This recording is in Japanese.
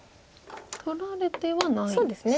取られてはないですか。